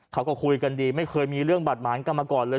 เขาก็คุยกันดีไม่เคยมีเรื่องบาดหมางกันมาก่อนเลย